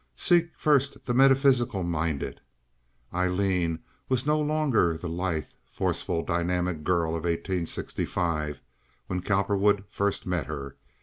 Seek first the metaphysical minded. Aileen was no longer the lithe, forceful, dynamic girl of 1865, when Cowperwood first met her.